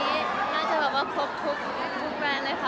น่าจะแบบว่าครบทุกแบรนด์เลยค่ะ